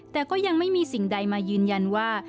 แต่ก็ยังไม่มีสิ่งใดมายืนยันว่า